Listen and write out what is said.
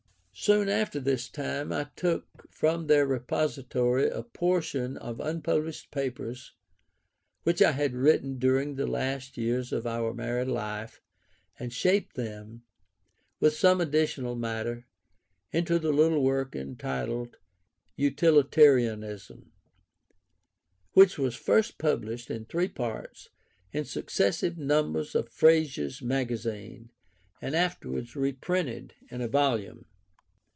Soon after this time I took from their repository a portion of the unpublished papers which I had written during the last years of our married life, and shaped them, with some additional matter, into the little work entitled Utilitarianism; which was first published, in three parts, in successive numbers of Fraser's Magazine, and afterwards reprinted in a volume.